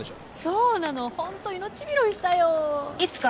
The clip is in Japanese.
そうなのホント命拾いしたよいつから？